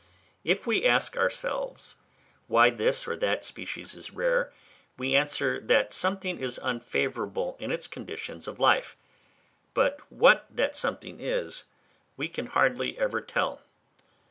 If we ask ourselves why this or that species is rare, we answer that something is unfavourable in its conditions of life; but what that something is, we can hardly ever tell.